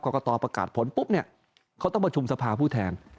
กตประกาศผลปุ๊บเนี่ยเขาต้องประชุมสภาผู้แทน